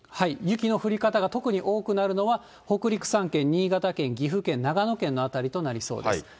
雪の降り方が特に多くなるのは、北陸３県、新潟県、岐阜県、長野県の辺りとなりそうです。